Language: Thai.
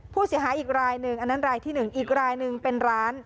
ผู้เสียหายอีกรายหนึ่งอันนั้นรายที่๑อีกรายหนึ่งเป็นร้าน